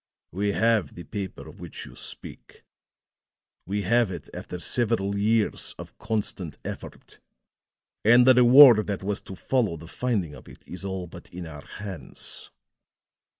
We have the paper of which you speak we have it after several years of constant effort; and the reward that was to follow the finding of it is all but in our hands."